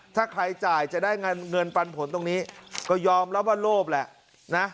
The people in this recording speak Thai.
ถ้าใครจ่ายจะได้เงินปันผลตรงนี้ก็ยอมรับว่าโลภแหละนะ